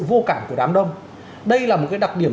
vô cảm của đám đông đây là một cái đặc điểm